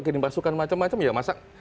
bikin pasukan macam macam ya masa